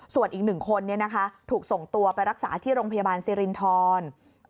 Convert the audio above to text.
ส่วนอีก๑คนถูกส่งตัวไปรักษาที่โรงพยาบาลสิรินทร